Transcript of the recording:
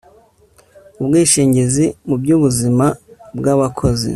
ubwishingizi mu by'ubuzima bw'abakozi